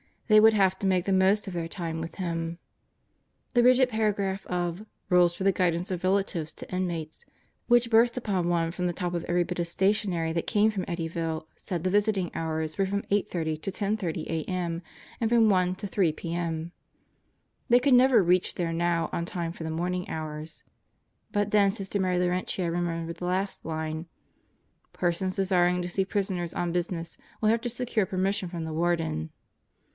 They would have to make the most of their time Ttfth him. The rigid paragraph of "Rules for the Guidance of Relatives to Inmates" which burst upon one from the top of every bit of stationery that came from Eddyville said the visiting hours were from 8:30 to 10:30 a.m. and from 1 to 3 p.m. They could never reach there now on time for the morning hours. But then Sister Mary Laurentia remembered the last line: "Persons desiring to see prisoners on business will have to secure per mission from the Warden."